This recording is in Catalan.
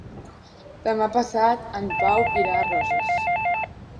Demà passat en Pau irà a Roses.